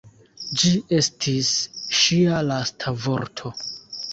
Ĝi estis ŝia lasta vorto.